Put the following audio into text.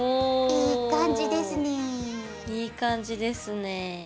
いい感じですね。